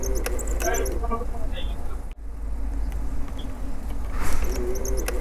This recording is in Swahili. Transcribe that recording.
wa Wajaluo watu hawa ni majirani Isitoshe kabila la Wajaluo wa Kenya na Tanzania